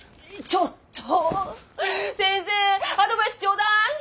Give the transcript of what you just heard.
ちょっと先生アドバイスちょうだい！